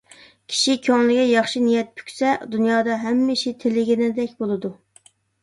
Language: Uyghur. كىشى كۆڭلىگە ياخشى نىيەت پۈكسە، دۇنيادا ھەممە ئىشى تىلىگىنىدەك بولىدۇ.